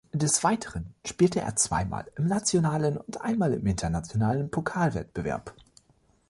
Des Weiteren spielte er zweimal im nationalen und einmal im internationalen Pokalwettbewerb.